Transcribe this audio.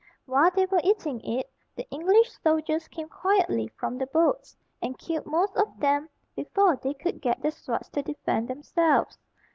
While they were eating it, the English soldiers came quietly from the boats, and killed most of them before they could get their swords to defend themselves.